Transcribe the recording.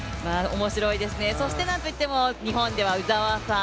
面白いですね、なんといっても日本では鵜澤さん。